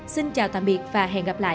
xin chào tạm biệt và hẹn gặp lại